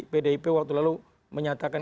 pdip waktu lalu menyatakan